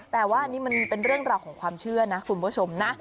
แต่ว่าอันนี้มันเป็นเรื่องราวของความเชื่อนะคุณผู้ชมนะ